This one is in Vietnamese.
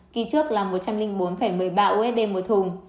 kỳ trước là một trăm linh bốn một mươi ba usd một thùng